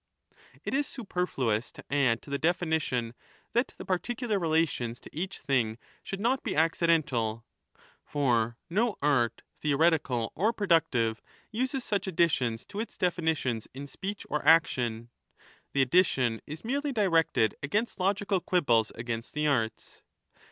It is superfluous to add to the definition that the particular relations to each thing should not be accidental ; for no art, theoretical or productive, uses such additions to its defini 5 tions in speech or action ; the addition is merely directed against logical quibbles against the arts.